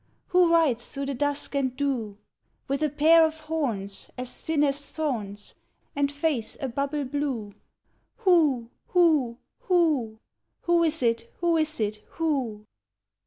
Who rides through the dusk and dew, With a pair o' horns, As thin as thorns, And face a bubble blue? Who, who, who! Who is it, who is it, who?"